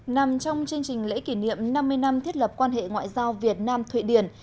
nằm trong chương trình lễ kỷ niệm năm mươi năm thiết lập quan hệ ngoại giao việt nam thụy điển